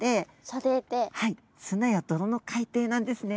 はい砂や泥の海底なんですね。